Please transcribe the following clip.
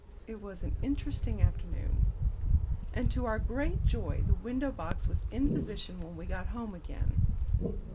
It was an interesting afternoon. And to our great joy the window box was in position when we got home again.